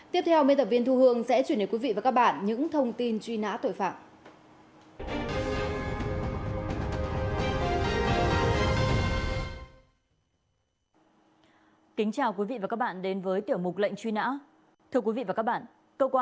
tiếp theo miên tập viên thu hương